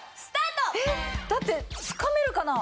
えっ？だってつかめるかな？